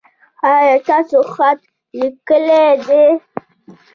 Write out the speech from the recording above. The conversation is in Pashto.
ایا ستاسو خط ښکلی دی؟